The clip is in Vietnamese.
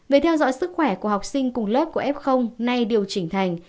về theo dõi sức khỏe của học sinh cùng lớp của f nay điều chỉnh thành